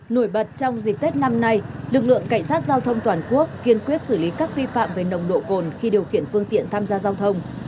nổi bật trong dịp tết năm nay lực lượng cảnh sát giao thông toàn quốc kiên quyết xử lý các vi phạm về nồng độ cồn khi điều khiển phương tiện tham gia giao thông